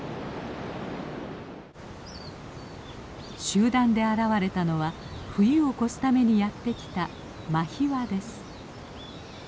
集団で現れたのは冬を越すためにやって来たマヒワです。